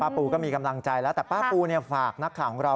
ปูก็มีกำลังใจแล้วแต่ป้าปูฝากนักข่าวของเรา